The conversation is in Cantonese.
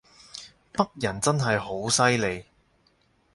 北人真係好犀利